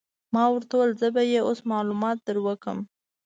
ما ورته وویل: زه به يې اوس معلومات در وکړم.